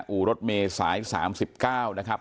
อู่รถเมย์สายสามสิบเก้านะครับ